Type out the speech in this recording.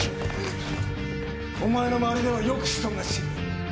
お前の周りではよく人が死ぬ。